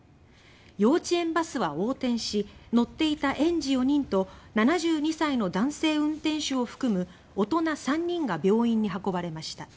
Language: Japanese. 幼稚園バスは横転し乗っていた園児４人と７２歳の男性運転手を含む大人３人が病院に運ばれました。